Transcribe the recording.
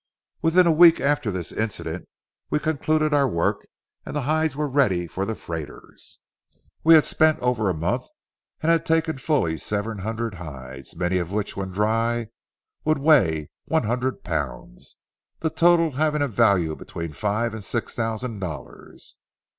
Within a week after this incident, we concluded our work and the hides were ready for the freighters. We had spent over a month and had taken fully seven hundred hides, many of which, when dry, would weigh one hundred pounds, the total having a value of between five and six thousand dollars.